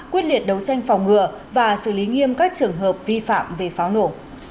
quyết liệt đấu tranh phòng ngừa và xử lý nghiêm các trường hợp vi phạm về pháo nổ